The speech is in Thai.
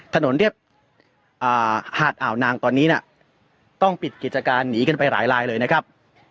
ถนนเรียบหาดอ่าวนางตอนนี้ต้องปิดกิจการหนีกันไปหลายลายเลยนะครับ